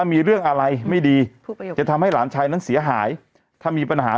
มีเรื่องอะไรไม่ดีจะทำให้หลานชายนั้นเสียหายถ้ามีปัญหา